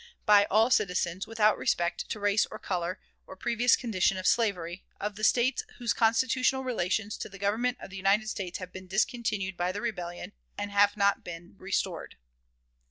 by all citizens, without respect to race or color, or previous condition of slavery, of the States whose constitutional relations to the Government of the United States have been discontinued by the rebellion, and have not been restored."